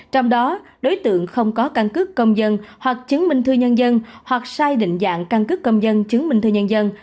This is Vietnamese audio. trong đó đối tượng không có căn cước công dân hoặc chứng minh thư nhân dân hoặc sai định dạng căn cứ công dân chứng minh thư nhân dân